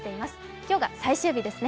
今日が最終日ですね。